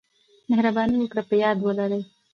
مهرباني وکړئ په یاد ولرئ: